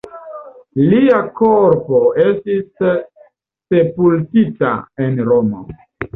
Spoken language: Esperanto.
Lia korpo estis sepultita en Romo.